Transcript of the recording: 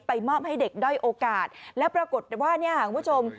มอบให้เด็กด้อยโอกาสแล้วปรากฏว่าเนี่ยคุณผู้ชม